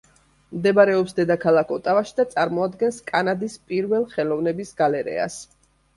მდებარეობს დედაქალაქ ოტავაში და წარმოადგენს კანადის პირველ ხელოვნების გალერეას.